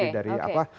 lebih dari apa